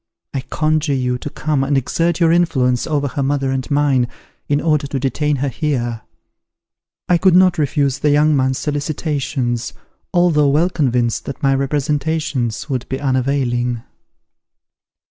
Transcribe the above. I conjure you to come and exert your influence over her mother and mine, in order to detain her here." I could not refuse the young man's solicitations, although well convinced that my representations would be unavailing.